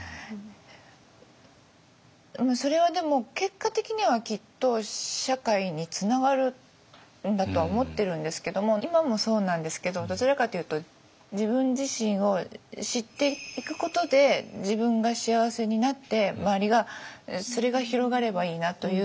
それはでも結果的にはきっと社会につながるんだとは思ってるんですけども今もそうなんですけどどちらかというと自分自身を知っていくことで自分が幸せになって周りがそれが広がればいいなという。